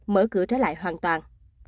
mở cửa trở lại hoàn toàn